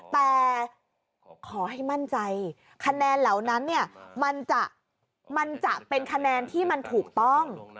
แต่ขอให้มั่นใจคะแนนเหล่านั้นเนี่ยมันจะเป็นคะแนนที่มันถูกต้อง